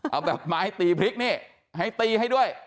เอาแบบไม้ตีพริกนี่ให้ตีให้ด้วย